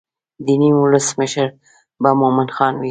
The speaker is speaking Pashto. د نیم ولس مشر به مومن خان وي.